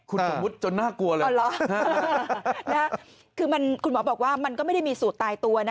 คุณสมมุติจนน่ากลัวเลยคือมันคุณหมอบอกว่ามันก็ไม่ได้มีสูตรตายตัวนะ